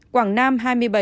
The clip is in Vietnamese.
quảng nam hai mươi bảy